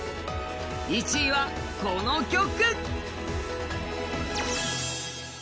１位はこの曲！